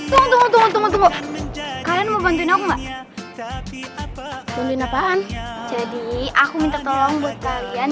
tunggu tunggu kalian mau bantuin aku enggak bantuin apaan jadi aku minta tolong buat kalian